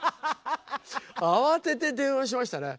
慌てて電話しましたね